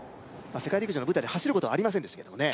世界陸上の舞台で走ることはありませんでしたけどもね